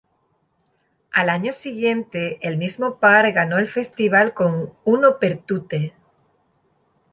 Al año siguiente, el mismo par ganó el Festival con ""Uno per tutte"".